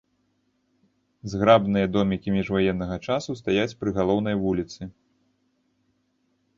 Зграбныя домікі міжваеннага часу стаяць пры галоўнай вуліцы.